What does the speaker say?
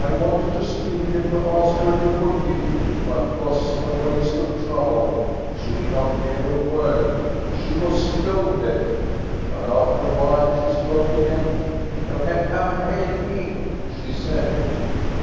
I wanted to speak and to ask her to forgive me, but it was a waste of trouble. She did not hear a word of it, — she was stone deaf. But after a while she spoke again :* You can come and help me,' she said.